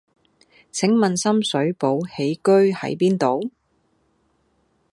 請問深水埗喜居喺邊度？